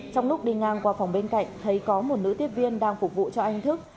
trong lúc đi ngang qua phòng bên cạnh thấy có một nữ tiếp viên đang phục vụ cho anh thức